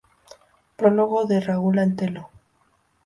Prólogo de Raúl Antelo.